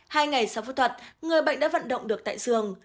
hai ngày sau phẫu thuật người bệnh đã vận động được tại giường